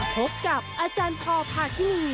พบกับอาจารย์พอพาคินี